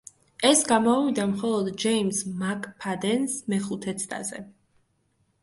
ეს გამოუვიდა მხოლოდ ჯეიმზ მაკფადენს, მეხუთე ცდაზე.